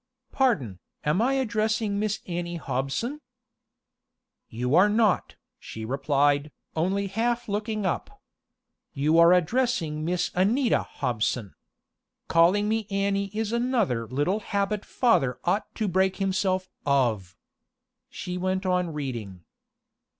"Pardon, am I addressing Miss Annie Hobson?" "You are not," she replied, only half looking up. "You are addressing Miss Anita Hobson. Calling me Annie is another little habit father ought to break himself of." She went on reading.